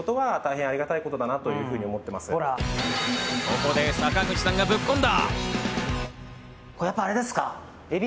ここで坂口さんがぶっこんだ。